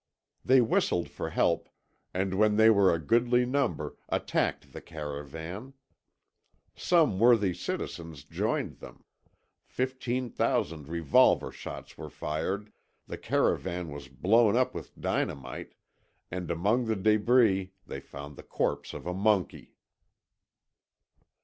They whistled for help, and when they were a goodly number, attacked the caravan. Some worthy citizens joined them; fifteen thousand revolver shots were fired, the caravan was blown up with dynamite, and among the débris they found the corpse of a monkey.